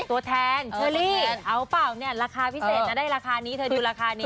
ตัวแทนเชอรี่เอาเปล่าเนี่ยราคาพิเศษนะได้ราคานี้เธอดูราคานี้